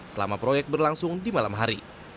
selama proyek berlangsung di malam hari